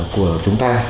của chúng ta